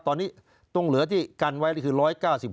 ตอนนี้ตรงเหลือที่กันไว้คือ๑๙๕